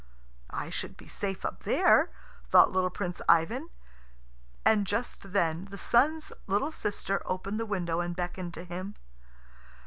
"I should be safe up there," thought little Prince Ivan, and just then the Sun's little sister opened the window and beckoned to him.